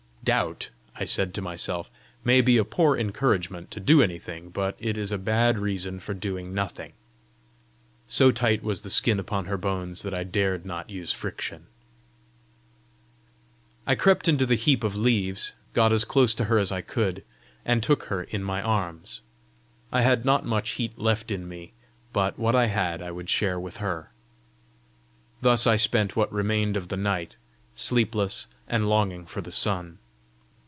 "Doubt," I said to myself, "may be a poor encouragement to do anything, but it is a bad reason for doing nothing." So tight was the skin upon her bones that I dared not use friction. I crept into the heap of leaves, got as close to her as I could, and took her in my arms. I had not much heat left in me, but what I had I would share with her! Thus I spent what remained of the night, sleepless, and longing for the sun.